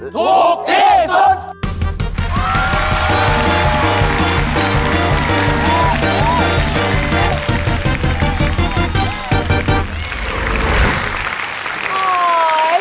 ถูกที่สุด